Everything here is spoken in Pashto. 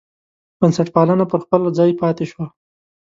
بنسټپالنه پر خپل ځای پاتې شوه.